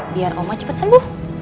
biar oma cepet sembuh